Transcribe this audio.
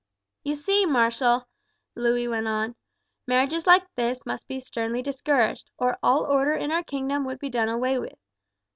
"You see, marshal," Louis went on, "marriages like this must be sternly discouraged, or all order in our kingdom would be done away with.